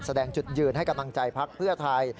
แสดงจุดยืนให้กำลังใจพักเพื่อไทย